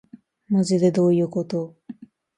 まじでどういうこと